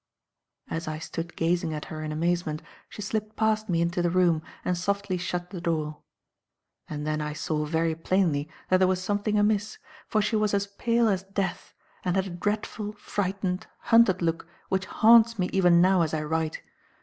As I stood gazing at her in amazement, she slipped past me into the room and softly shut the door. And then I saw very plainly that there was something amiss, for she was as pale as death, and had a dreadful, frightened, hunted look which haunts me even now as I write.